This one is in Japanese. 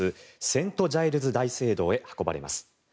セント・ジャイルズ大聖堂へ運ばれます。